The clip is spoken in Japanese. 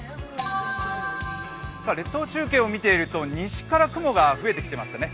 列島中継を見ていると西から雲が増えてきていますね。